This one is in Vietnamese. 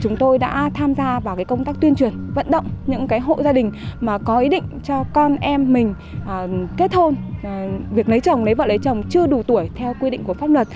chúng tôi đã tham gia vào công tác tuyên truyền vận động những hộ gia đình mà có ý định cho con em mình kết hôn việc lấy chồng lấy vợ lấy chồng chưa đủ tuổi theo quy định của pháp luật